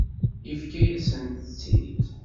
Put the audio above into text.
Yefka-yasent-tt-id.